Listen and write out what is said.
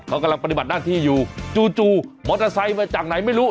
เขากำลังปฏิบัติหน้าที่อยู่จู่มอเตอร์ไซค์มาจากไหนไม่รู้